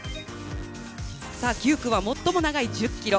９区は最も長い１０ｋｍ。